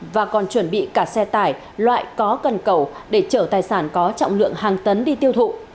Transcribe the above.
và còn chuẩn bị cả xe tải loại có cần cầu để chở tài sản có trọng lượng hàng tấn đi tiêu thụ